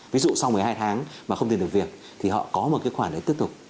ví dụ sau một mươi hai tháng mà không tìm được việc thì họ có một cái khoản để tiếp tục